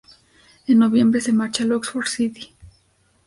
En Noviembre se marcha al Oxford City.